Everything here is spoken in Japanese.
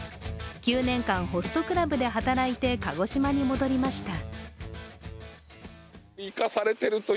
９年間、ホストクラブで働いて鹿児島に戻りました。